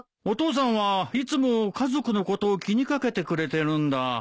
お父さんはいつも家族のことを気に掛けてくれてるんだ。